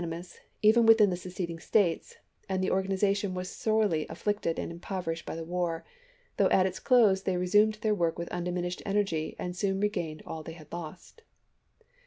imous, even within the seceding States, and the organization was sorely afflicted and impoverished by the war — though at its close they resumed their work with undiminished energy and soon re gained all they had lost.